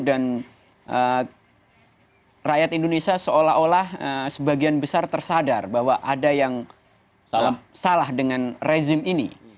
dan rakyat indonesia seolah olah sebagian besar tersadar bahwa ada yang salah dengan rezim ini